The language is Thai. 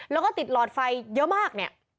แล้วก็ติดหลอดไฟเยอะมาก